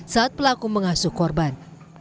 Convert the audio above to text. saat pelaku mengasuh korban